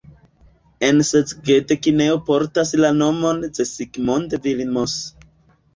En Szeged kinejo portas la nomon Zsigmond Vilmos.